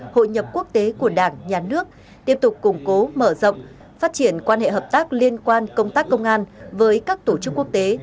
hội nhập quốc tế của đảng nhà nước tiếp tục củng cố mở rộng phát triển quan hệ hợp tác liên quan công tác công an với các tổ chức quốc tế